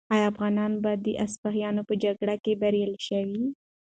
آیا افغانان به د اصفهان په جګړه کې بریالي شي؟